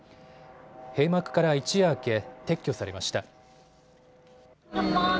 閉幕から一夜明け、撤去されました。